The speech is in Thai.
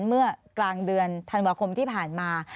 เมื่อกลางเดือนธันวาคมที่ผ่านมา